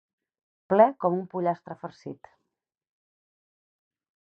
Ple com un pollastre farcit.